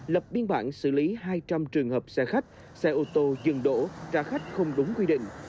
lập biên bản xử lý hai trăm linh trường hợp xe khách xe ô tô dừng đổ trả khách không đúng quy định